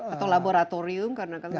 atau laboratorium karena kan